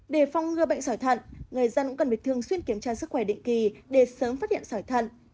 để phong ngừa bệnh sỏi thận người dân cũng cần phải thường xuyên kiểm tra sức khỏe định kỳ để sớm phát hiện sỏi thận